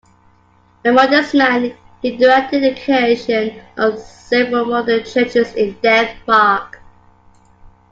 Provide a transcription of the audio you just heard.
A modest man, he directed the creation of several modern churches in Denmark.